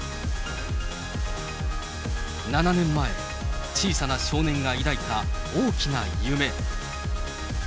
７年前、小さな少年が抱いた大きな夢。